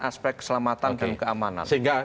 aspek keselamatan dan keamanan oke sehingga